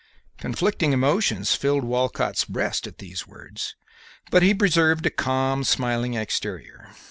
Conflicting emotions filled Walcott's breast at these words, but he preserved a calm, smiling exterior.